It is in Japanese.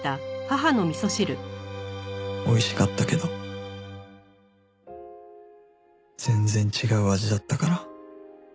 おいしかったけど全然違う味だったから余計に